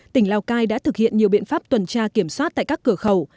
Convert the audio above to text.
tỉnh lào cai đã thực hiện nhiều biện pháp tuần tra kiểm soát tại các cửa khẩu